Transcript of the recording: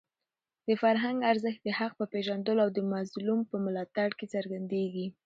د فرهنګ ارزښت د حق په پېژندلو او د مظلوم په ملاتړ کې څرګندېږي.